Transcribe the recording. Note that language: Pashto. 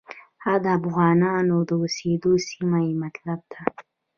هغه د افغانانو د اوسېدلو سیمه یې مطلب ده.